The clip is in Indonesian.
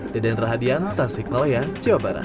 deden rahadian tasikmalaya jawa barat